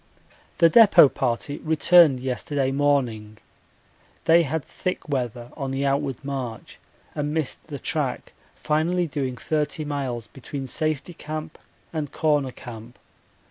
The depot party returned yesterday morning. They had thick weather on the outward march and missed the track, finally doing 30 miles between Safety Camp and Corner Camp.